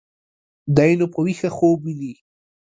دى نو په ويښه خوب ويني.